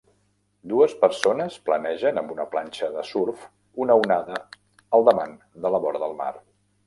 Dues persones planegen amb una planxa de surf una onada al davant de la vora del mar.